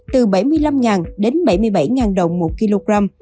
từ bảy mươi năm đến bảy mươi bảy đồng một kg